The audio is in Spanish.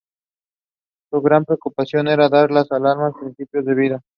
Su gran preocupación era dar a las almas principios de vida.